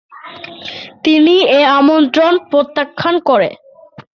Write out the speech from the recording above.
তিনি এ আমন্ত্রন প্রত্যাখ্যান করে।